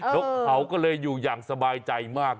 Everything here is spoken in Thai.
กเขาก็เลยอยู่อย่างสบายใจมาก